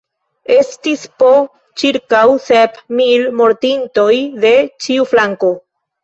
Estis po ĉirkaŭ sep mil mortintoj de ĉiu flanko.